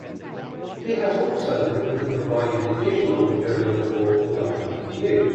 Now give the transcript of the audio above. He has also written and provided additional material for "Would I Lie to You?".